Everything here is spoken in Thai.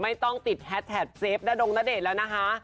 ไม่ต้องติดแฮสแท็กเฟฟณดงณเดชน์แล้วนะคะ